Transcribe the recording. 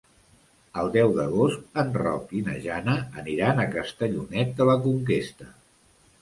El deu d'agost en Roc i na Jana aniran a Castellonet de la Conquesta.